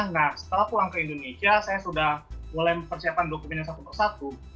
nah setelah pulang ke indonesia saya sudah mulai mempersiapkan dokumen yang satu persatu